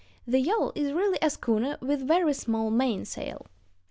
The yawl is really a schooner with very small mainsail.